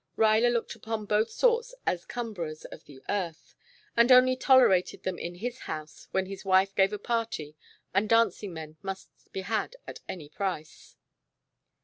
Ruyler looked upon both sorts as cumberers of the earth, and only tolerated them in his own house when his wife gave a party and dancing men must be had at any price.